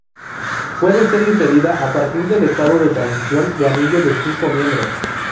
Puede ser inferida a partir del estado de transición de anillo de cinco miembros.